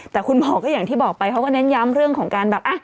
แต่คุณหมอก็อย่างที่บอกไปเขาก็เน้นย้ำเรื่องของการแบบ